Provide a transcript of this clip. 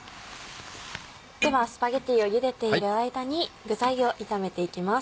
ではスパゲティを茹でている間に具材を炒めていきます。